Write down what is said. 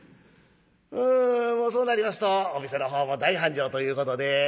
そうなりますとお店のほうも大繁盛ということで。